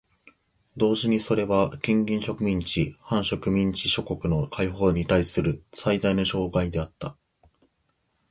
同時にそれは近隣植民地・半植民地諸国の解放にたいする最大の障害であった。